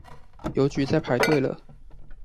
郵局在排隊了